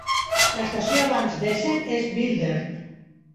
L'estació abans d'Essen és Wildert.